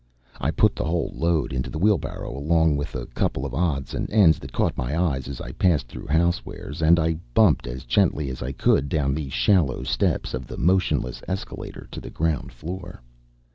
I put the whole load into the wheelbarrow, along with a couple of odds and ends that caught my eye as I passed through Housewares, and I bumped as gently as I could down the shallow steps of the motionless escalator to the ground floor.